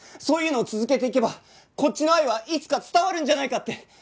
そういうのを続けていけばこっちの愛はいつか伝わるんじゃないかって！